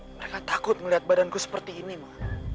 mereka takut melihat badanku seperti ini mah